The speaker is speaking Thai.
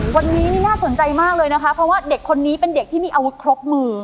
วันนี้นี่น่าสนใจมากเลยนะคะเพราะว่าเด็กคนนี้เป็นเด็กที่มีอาวุธครบมือ